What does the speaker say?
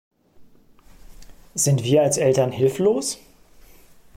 Sind wir als Eltern hilflos?